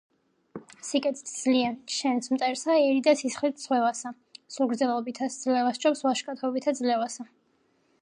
„სიკეთით სძლიე შენს მტერსა, ერიდე სისხლით ზღვევასა: სულგრძელობითა ძლევა სჯობს ვაჟკაცობითა ძლევასა.“